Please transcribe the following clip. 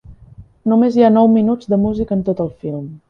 Només hi ha nou minuts de música en tot el film.